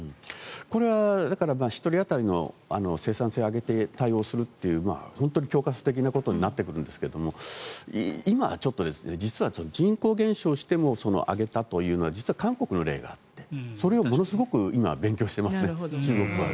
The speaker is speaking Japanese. これは１人当たりの生産性を上げて対応するという本当に恐喝的なことになってくるんですけど今、ちょっと実は人口減少しても上げたというのは実は韓国の例があってそれをものすごく勉強しています中国は。